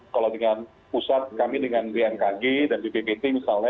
kalau dengan pusat kami dengan bmkg dan bppt misalnya